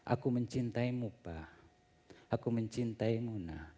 aku mencintaimu pak aku mencintaimu